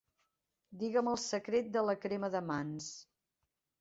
Digue'm el secret de la crema de mans.